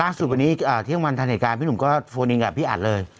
สุดวันนี้เที่ยงวันทันเหตุการณ์พี่หนุ่มก็โฟนิงกับพี่อัดเลย